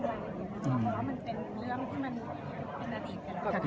เพราะว่ามันเป็นเรื่องที่มันเป็นอดีตกัน